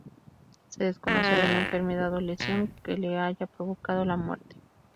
Se desconoce alguna enfermedad o lesión que le haya provocado la muerte.